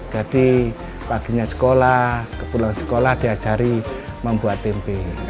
jadi paginya sekolah pulang sekolah diajari membuat tempe